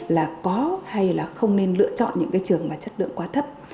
là có hay không nên lựa chọn những trường chất lượng quá thấp